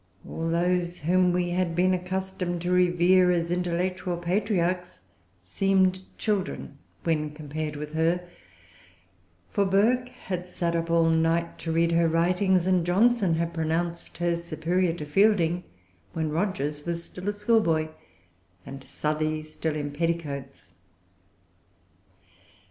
All those whom we had been accustomed to revere as intellectual patriarchs seemed children when compared with her; for Burke had sat up all night to read her writings, and Johnson had pronounced her superior to Fielding, when Rogers was still a schoolboy, and Southey still in petticoats.